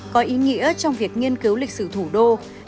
có ý nghĩa trong việc nghiên cứu lịch sử thủ đô